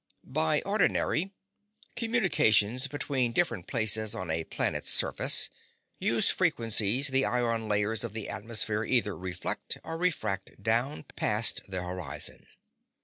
By ordinary, communications between different places on a planet's surface use frequencies the ion layers of the atmosphere either reflect or refract down past the horizon.